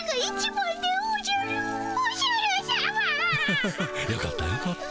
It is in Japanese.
ハハハハよかったよかった。